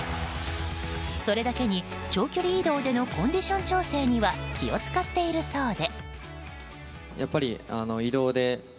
それだけに長距離移動でのコンディション調整には気を使っているそうで。